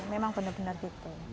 memang benar benar gitu